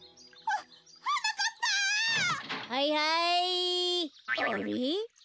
あれ？